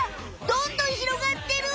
どんどんひろがってる！